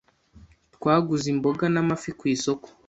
Twaguze imboga n'amafi ku isoko.